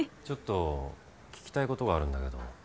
ちょっと聞きたいことがあるんだけど。